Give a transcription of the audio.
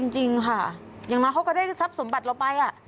จริงค่ะอย่างน้อยเขาก็ได้ทรัพย์สมบัติเราไป